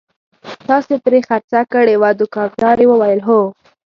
تاسې پرې خرڅه کړې وه؟ دوکاندارې وویل: هو.